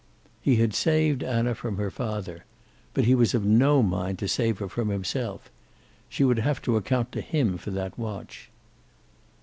He had saved Anna from her father. But he was of no mind to save her from himself. She would have to account to him for that watch.